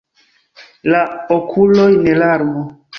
La okuloj ne larmo.